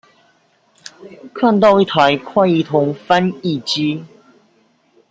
看到一台快譯通翻譯機